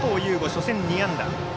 初戦２安打。